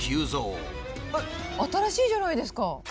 新しいじゃないですか。